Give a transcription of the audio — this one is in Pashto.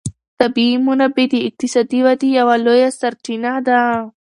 طبیعي منابع د اقتصادي ودې یوه لویه سرچینه ده.